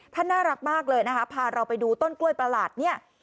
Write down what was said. น่ารักมากเลยนะคะพาเราไปดูต้นกล้วยประหลาดเนี่ย